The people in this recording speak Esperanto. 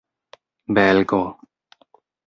belgo